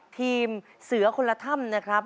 ทีมเสือคนละถ้ำนะครับ